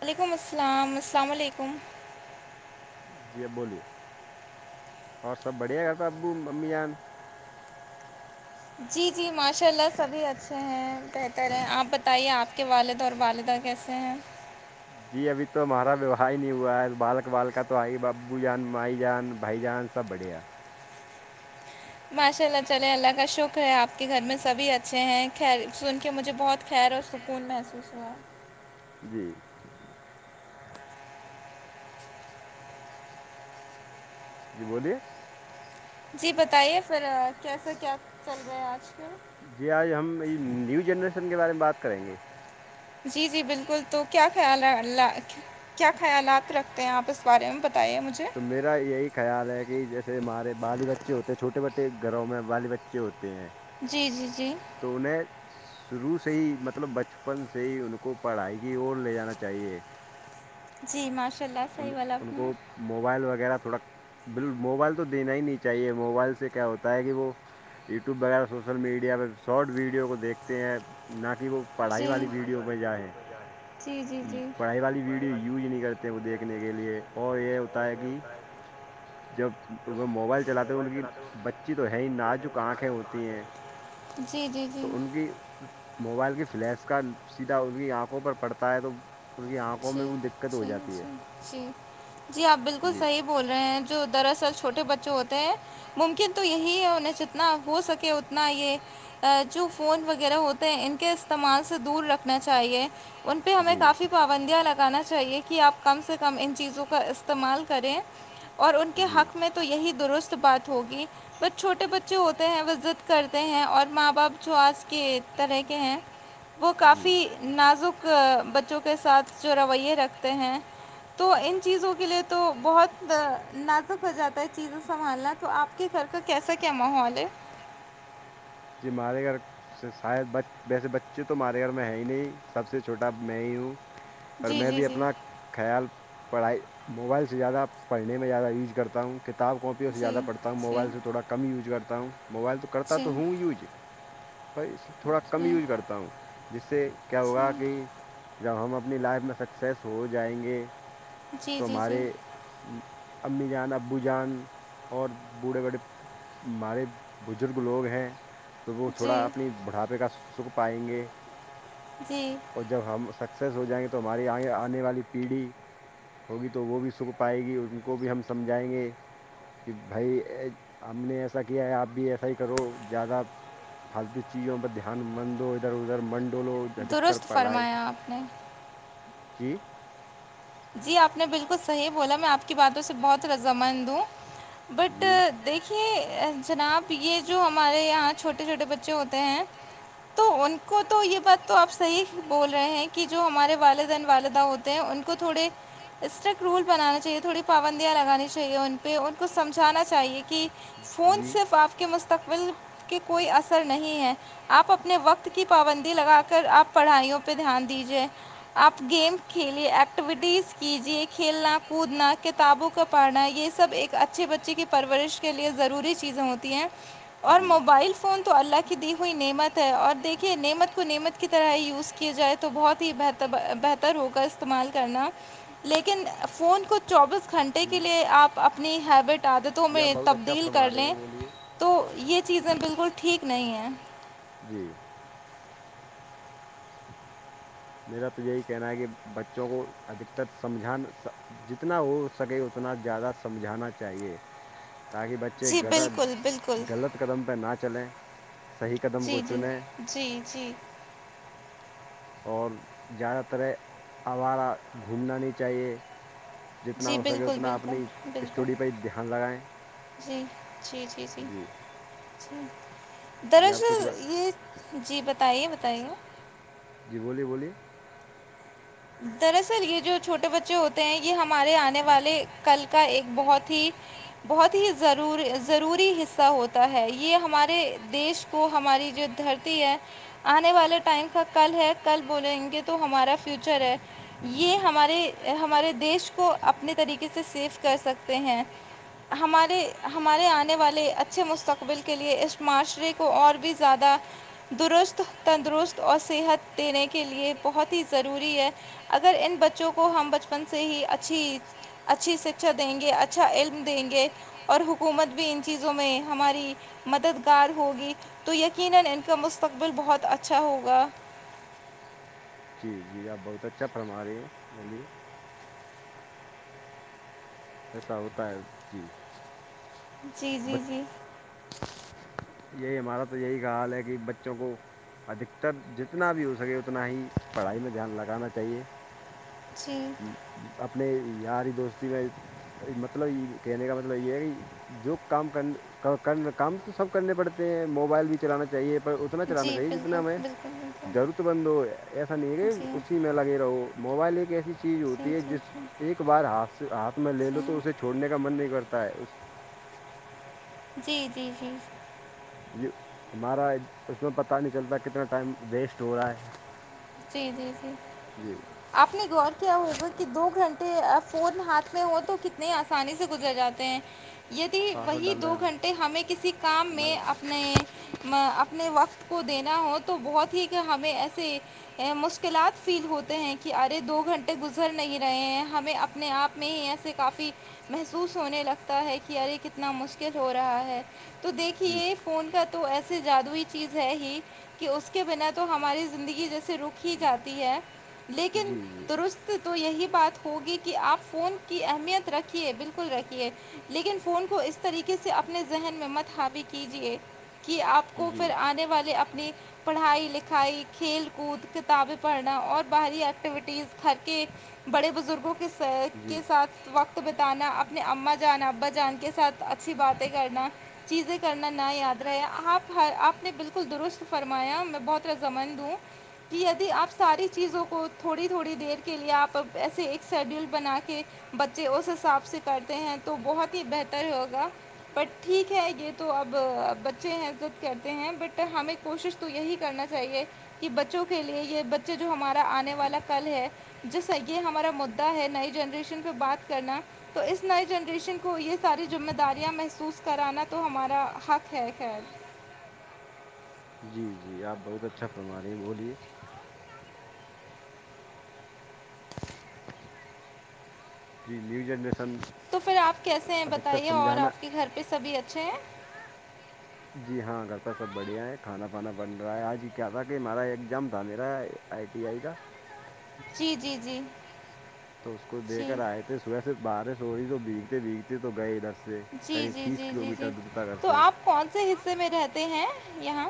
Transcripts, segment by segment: وعلیکم السلام السلام علیکم جی اب بولیے اور سب بڑھیا اب ابو ممی جان جی جی ماشاء اللہ سبھی اچھے ہیں بہتر ہیں آپ بتائیے آپ کے والد اور والدہ کیسے ہیں جی ابھی تو ہمارا ویوہاہ ہی نہیں ہوا ہے بالک بالک تو آئی ابو جان مائی جان بھائی جان سب بڑھیا ماشاء اللہ چلے اللہ کا شکر ہے آپ کے گھر میں سبھی اچھے ہیں خیر سن کے مجھے بہت خیر اور سکون محسوس ہوا جی جی بولیے جی بتائیے پھر کیسا کیا چل رہا ہے آج کل جی آج ہم نیو جنریشن کے بارے میں بات کریں گے جی جی بالکل تو کیا خیال ہے اللہ ک کیا خیالات رکھتے ہیں آپ اس بارے میں بتائیے مجھے تو میرا یہی خیال ہے کہ جیسے ہمارے بالی بچے ہوتے ہیں چھوٹے موٹے گھروں میں بالی بچے ہوتے ہیں جی جی جی تو انہیں شروع سے ہی مطلب بچپن سے ہی ان کو پڑھائی کی اور لے جانا چاہیے جی ماشاء اللہ ان صحیح بولا ان آپ نے کو موبائل وغیرہ تھوڑا بل موبائل تو دینا ہی نہیں چاہیے موبائل سے کیا ہوتا ہے کہ وہ یوٹیوب وغیرہ سوشل میڈیا پہ شارٹ ویڈیو کو دیکھتے ہیں نہ کہ وہ پڑھائی جی والی ویڈیو میں جائیں جی جی جی پڑھائی والی ویڈیو یوز ہی نہیں کرتے ت وہ دیکھنے کے لیے اور یہ ہوتا ہے کہ جب وہ موبائل چلاتے ان کی بچی تو ہے ہی ناجک آنکھیں ہوتی ہیں جی جی جی تو ان کی موبائل کی فلیس کا سیدھا ان کی آنکھوں پر پڑتا ہے تو ان کی آنکھوں جی میں جی وہ دقت جی ہوجاتی ہے جی جی آپ بالکل جی صحیح بول رہے ہیں جو دراصل چھوٹے بچے ہوتے ہیں ممکن تو یہی ہے انہیں جتنا ہو سکے اتنا یہ جو فون وغیرہ ہوت تے ان کے استعمال سے دور رکھنا چاہیے ان پہ ہمیں جی کافی پابندیاں لگانا چاہیے کہ آپ کم سے کم ان چیزوں کا استعمال کریں اور ان کے جی حق میں تو یہی درس ت بات ہوگی بس چھوٹے بچے ہوتے ہیں وہ ضد کرتے ہیں اور ماں باپ جو آج کے طرح کے ہیں وہ ہیں جی کافی نازک بچ چوں کے ساتھ جو رویے رکھتے ہیں تو ان چیزوں کے لیے تو بہت نازک ہو جاتا ہے چیزیں سنبھالنا تو آپ کے گھر کا کیسا کیا ماحول ہے جی ہمارے گھر شاید بچ ویسے بچے تو ہمارے گھر میں ہے ہی نہیں سب سے چھوٹا میں ہی ہوں اور جی میں جی بھی جی اپنا خیال پڑھائی موبائل سے زیادہ پڑھنے میں زیادہ یوز کرتا ہوں کتاب کاپیوں سے جی زیادہ پڑھتا ہوں موبائل سے جی تھوڑا کم یوز کرتا ہوں موبائل تو کرتا تو ہوں ہی یوج پر اس تھوڑا کم جی یوز کرتا ہوں جس سے کیا جی ہوگا کہ جب ہم اپنی لائف میں سکسیس ہو جائیں گے تو جی جی ہمارے جی امی جان ابو جان اور بوڑھے بڑے مارے بزرگ لوگ ہیں تو وہ تھوڑا جی اپنی بڑھاپے کا سکھ پائیں گے جی اور جب ہم سکسیز ہو جائیں گے تو ہماری آگے آنے والی پیڑھی ہوگی تو وہ بھی سکھ پائے گی ان کو بھی ہم سمجھائیں گے کہ بھائی ہم نے ایسا کیا ہے آپ بھی ایسا ہی کرو زیادہ پھالتو چیزوں پر دھیان مت دو ادھر ادھر من ڈولو ادھکتر درست پڑھائی فرمایا آپ نے جی جی آپ نے بالکل صحیح بولا میں آپ کی باتوں سے بہت رضامند ہوں بٹ جی دیکھیے جناب یہ جو ہمارے یہاں چھوٹے چھوٹے بچے ہوتے ہیں تو ان کو تو یہ بات تو آپ صحیح بول رہے ہیں کہ جو ہمارے والدین والدہ ہوتے ہیں ان کو تھوڑے اسٹرکٹ رول بنانا چاہیے تھوڑی پابندیاں لگانی چاہیے ان پہ ان کو سمجھانا چاہیے کہ فون جی صرف آپ کے مست تقبل کے کوئی اثر نہیں ہے آپ اپن نے وقت کی پابندی لگا کر آپ پڑھائیوں پہ دھیان دیجیے آپ گیم کھیلیے ایک ٹیویٹیز کیجیے کھیلنا کودنا کتابوں کو پڑھنا یہ سب ایک اچھے بچے کی پرورش لیے ضروری چیزیں ہوتی ہیں اور جی موبائل فون تو اللہ کی دی ہوئی نعمت ہے اور دیکھیے نعمت کو نعمت کی طرح یوز کیا جائے تو بہت ہی بہتر بہتر ہوگا استعمال کرنا لیکن فون کو چوبیس گھنٹے کے لیے آپ اپنی ہیبٹ عادتوں میں کچھ اچھا تبدیل کر فرماے ہیں لیں بولیے تو یہ چیزیں بالکل ٹھیک نہیں ہیں جی میرا تو یہی کہنا ہے کہ بچوں کو ادھکتر سمجھان جتنا ہو سکے اتنا زیادہ سمجھانا چاہیے تاکہ بچہ بچے جی گدا بالکل بالکل غلط قدم پہ نہ چلیں صحیح قدم کو جی جی چنیں جی جی اور زیادہ تر آوارہ گھومنا نہیں چاہیے جتنا جی ہو سکے بالکل اتنا بالکل اپنی بالکل اسٹڈی پہ ہی دھیان لگائیں جی جی جی جی جی آپ کچھ دراصل بات یہ جی بتائیے بتائیے جی بولیے بولیے دراصل یہ جو چھوٹے بچے ہو تے ہیں یہ ہمارے آنے والے کل کا ایک بہت ہی بہت ہی ضرور ضروری حصہ ہو تا ہے یہ ہمارے دیش کو ہماری جو دھرتی ہے آنے والے ٹائم کا کل ہے کل بولیں گے تو ہمارا فیوچر ہے یہ ہمارے ہمارے دیش کو اپنے طریقے سے سیف کر سکتے ہیں ہمارے ہمارے آنے والے اچھے مستقبل کے لیے اس معاشرے کو اور بھی زیادہ درست تندرست اور صحت دینے کے لئے بہت ہی ضروری ضروری ہے اگر ان بچوں کو ہم بچپن سے ہی اچھی اچھی شکھا دیں گے اچھا علم دیں گے اور حکومت بھی ان چیزوں میں ہماری مددگار ہوگی تو یقینان کا مستقبل بہت اچھا ہوگا جی جی آپ بہت اچھا فرما رہی ہیں بولیے ایسا ہوتا ہے جی جی جی جی بچ یہی ہمارا تو یہی حال ہے کی بچوں کو ادھکتر جتنا بھی ہو سکے اتنا ہی پڑھائی میں دھیان لگانا چاہیے جی اپنے یاری دوستی میں مطلب یے کہنے کا مطلب یے ہے کی جو کام کر کر کام تو سب کرنے پڑتے ہیں موبائل بھی چلانا چاہیے پر اتنا چلانا جی چاہیے جتنا بالکل میں بالکل بالکل ضرورت مند ہو ایسا نہیں ہے جی کہ اس سے میں لگے رہو موبائل ایک ایسی چیز جی جی ہوتی ہے جس جی ایک بار ہاتھ سے ہاتھ میں لے لو تو اسے سے چھوڑنے کا من نہیں کرتا ہے اس جی جی جی یے ہمارا اس میں پتہ نہیں چلتا کتنا ٹائم ویسٹ ہو رہا ہے جی جی جی جی آپ نے غور کیا ہوگا کی دو گھنٹے فون ہاتھ میں ہو تو کتنے آسانی سے گزر جات تے ہیں یدی پاسورڈ وہی ڈال رہے دو ہیں گھنٹے ہمیں کسی کام میں ہم اپنے میں اپنے وقت کو دینا ہو تو بہت ہی ہمیں ایسے مشکلات فیل ہوتے ہیں کی ارے دو گھنٹے گزر نہیں رہے ہیں ہمیں اپنے آپ میں ایسے کافی محسوس ہونے لگتا ہے کی ارے کتنا مشکل ہو رہا ہے تو جی دیکھیے فون کا تو ایسے جادوئی چیز ہے ہی کی اس کے بنا تو ہماری زندگی جیسے سے رک ہی جاتی ہے لیکن جی جی درست تو یہی بات ہوگی کی آپ فون کی اہمیت رکھیے بالکل رکھیے لیکن فون کو اس طریقے سے اپنے ذہن میں مت حاوی کیجیے کہ آپ کو پھر آنے والے اپنی پڑھائی لکھائی کھیل کود کتابیں پڑھنا اور باہری ایکٹیویٹیز گھر کے بڑے بزرگوں کو کے صحت جی جی کے ستھ وقت تو بتانا اپنے اماں جان ابا جان کے ساتھ اچھی باتیں کرنا چیزیں کرنا نہ یاد رہے آپ ہر آپ نے بالکل درست فرمایا میں بہت رضامند ہوں کی یدی آپ ساری چیزوں کو تھوڑی تھوڑی دیر کے لیے آپ اب ایسے ایک شیڈیول بنا کے بچے اس حساب سے کرتے ہیں تو بہت ہی بہتر ہوگا بٹ ٹھیک ہے یے تو اب بچے ضد کرتے ہیں بٹ ہمیں کوشش تو یہی کرنا چاہیے کی بچوں کے لیے یے بچے جو ہمارا آنے والا کل ہے جیسا یے ہمارا مدا ہے نئی جنریشن پے بات کرنا تو اس نئے جنریشن کو یے ساری ذمہ داریاں محسوس کرانا تو ہمارا حق ہے خیر جی جی آپ بہت اچھا فرما رہی بولیے جی نیو جنریشن تو پھر آپ کیسے ہیں ادھکتر بتائیے اور سمجھانا آپ کے گھر پے سبھی اچھے ہیں جی ہاں گھر پے سب بڑھیا ہیں کھانا پانا بن رہا ہے آج کیا تھا کہ ہمارا ایگزام تھا میرا آئی ٹی آئی کا جی جی جی تو اس کو دے جی کر آئے تھے صبح سے بارش ہو رہی تو بھیگتے بھیگتے تو گئے ادھر سے جی قریب جی تیس جی کلو جی میٹر جی دور تھا گھر تو سے آپ کون سے حصے میں رہتے ہیں یہاں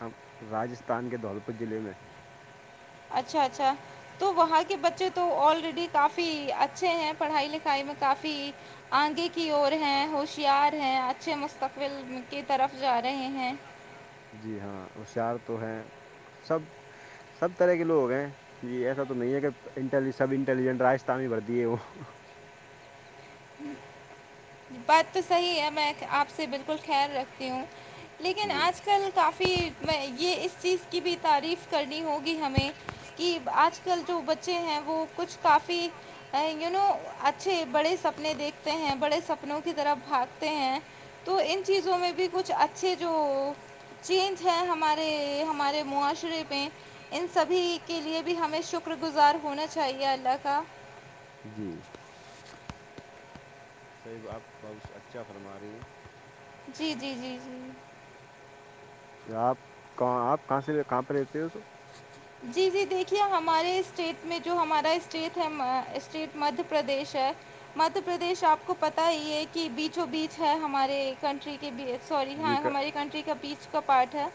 ہم راجستھان کے دھولپور ضلعے میں اچھا اچھا تو وہاں کے بچے تو آلریڈی کافی اچھے ہیں پڑھائی لکھائی میں کافی آگے کی اور ہیں ہوشیار ہیں اچھے مستقبل کی طرف جا رہے ہیں جی ہاں ہوشیار تو ہیں سب سب طرح کے لوگ ہیں جی ایسا تو نہیں ہے کہ انٹیلی سب انٹیلیجنٹ راجستھان میں ہی بھرتی ہو بات تو صحیح ہے میں آپ سے بالکل خیر رکھتی ہوں لیکن جی آج کل کافی یہ اس چیز کی بھی تعریف کرنی ہوگی ہمیں کی آج کل جو بچے ہیں وہ کچھ کافی یو نو اچھے بڑے سپنے دیکھتے ہیں بڑے سپنوں کی طرح بھاگتے ہیں تو ان چیزوں میں بھی کچھ اچھے جو چینج ہے ہمارے۔ ہمارے معاشرے پہ ان سبھی کے لیے بھی ہمیں شکر گزار ہونا چاہیے اللہ کا جی دیکھو آپ بہت اچھا فرما رہی ہیں جی جی جی جی جب آپ کہاں آپ کہاں سے کہاں پہ رہتی ہو جی جی دیکھیے ہمارے اسٹیٹ میں جو ہمارا اسٹیٹ ہے اسٹیٹ مدھیہ پردیش ہے مدھیہ پردیش آپ کو پتا ہی یہ کہ بیچو بیچ ہے ہمارے کنٹری بی سوری جی ہاں کا ہماری کنٹری کا بیچ کا پارٹ ہے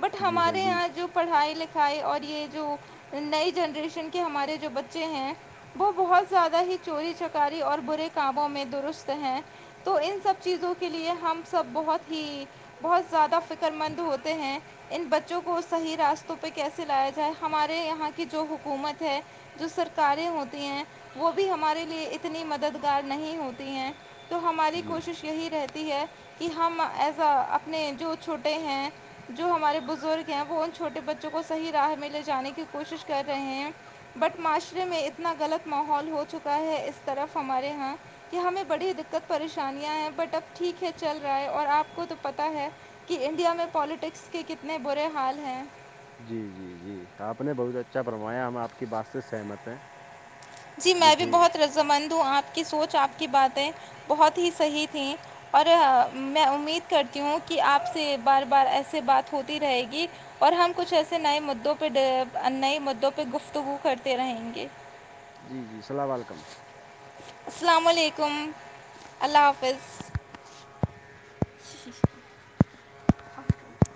بٹ جی ہاں ہمارے یہاں بیچ جو پڑھائی لکھائی اور یہ جو نئی جنریشن کے ہمارے جو بچے ہیں وہ بہت زیادہ ہی چوری چکاری اور برے کاموں میں درست ہیں تو ان سب چیزوں کے لیے ہم سب بہت ہی بہت زیادہ فکر مند ہوتے ہیں ان بچوں کو صحیح راستوں پہ کیسے لایا ہمارے یہاں کی جو حکومت ہے جو سرکاریں ہوتی ہیں وہ بھی ہمارے لیے اتنی مددگار نہیں ہوتی ہیں تو ہماری جی کوشش یہی رہتی ہے کہ ہم ایز ا اپنے جو چھوٹے ہیں جو ہمارے بزرگ ہیں وہ ان چھوٹے بچوں کو صحیح راہ میں لے جانے کی کوشش کر رہے ہیں بٹ معاشرے میں اتنا غلط ماحول ہو چکا ہے اس طرف ہمارے یہاں کہ ہمیں بڑی دقت پریشانیاں ہیں بٹ اب ٹھیک ہے چل رہا ہے اور آپ کو تو پتا ہے کہ انڈیا میں پولیٹکس کے کتنے برے حال ہیں جی جی جی آپ نے بہت اچھا فرمایا ہم آپ کی بات سے سہمت ہیں جی میں بھی بہت رضامند ہوں آپ کی سوچ آپ کی باتیں بہت ہی صحیح تھیں اور میں امید کرتی ہوں کہ آپ سے بار بار ایسے بات ہوتی رہے گی اور ہم کچھ ایسے نئے مدعوں پہ ڈ نئے مدعوں پہ گفتگو کرتے رہیں گے جی جی السلام وعلیکم السلام علیکم اللہ حافظ [inaudible] [inaudible]